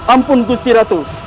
ampun gusti ratu